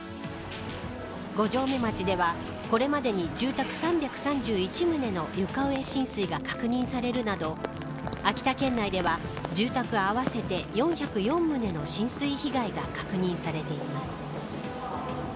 五城目町では、これまでに住宅３３１棟の床上浸水が確認されるなど秋田県内では住宅合わせて４０４棟の浸水被害が確認されています。